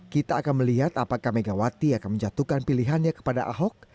kita akan melihat apakah megawati akan menjatuhkan pilihannya kepada ahok